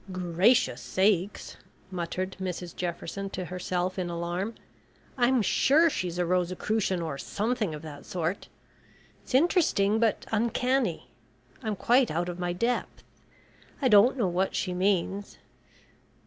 "Gracious sakes," muttered Mrs Jefferson to herself in alarm. "I'm sure she's a Rosicrucian or something of that sort. It's interesting, but uncanny. I'm quite out of my depth. I don't know what she means.